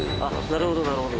なるほどなるほど。